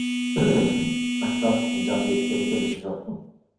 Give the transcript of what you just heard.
আশরাফ, জাজির কেমিকেল বিশেষজ্ঞ।